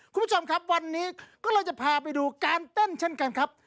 คุณผู้ชมครับวันนี้ก็เลยจะพาไปดูการเต้นเช่นกันครับ